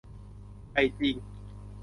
ใหญ่จริง